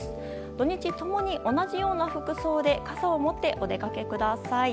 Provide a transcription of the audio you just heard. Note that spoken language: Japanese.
土日共に同じような服装で傘を持ってお出かけください。